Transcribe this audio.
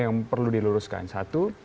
yang perlu diluruskan satu